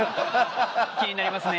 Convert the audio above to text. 気になりますね。